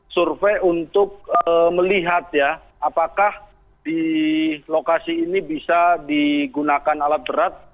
survei untuk melihat ya apakah di lokasi ini bisa digunakan alat berat